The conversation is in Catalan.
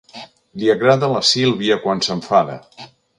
Li agrada la Sílvia quan s'enfada.